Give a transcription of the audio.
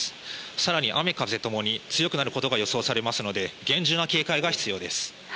更に雨風ともに強くなることが予想されますので厳重な警戒が必要です。